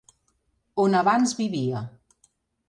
On abans vivia.